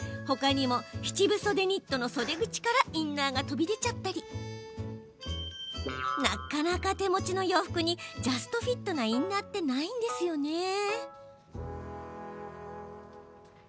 ほかにも７分袖ニットの袖口からインナーが飛び出ちゃったりなかなか手持ちの洋服にジャストフィットなインナーってないんですよね。